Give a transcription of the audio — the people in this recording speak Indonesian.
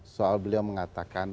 soal beliau mengatakan